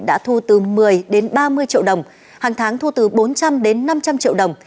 đã thu từ một mươi đến ba mươi triệu đồng hàng tháng thu từ bốn trăm linh đến năm trăm linh triệu đồng